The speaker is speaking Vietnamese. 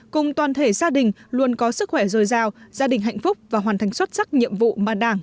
cùng toàn thể gia đình luôn có sức khỏe dồi dào gia đình hạnh phúc và hoàn thành xuất sắc nhiệm vụ mà đảng